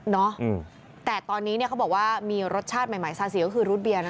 เนาะแต่ตอนนี้เนี่ยเขาบอกว่ามีรสชาติใหม่ซาซีก็คือรูดเบียร์นะ